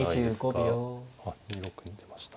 あっ２六に出ました。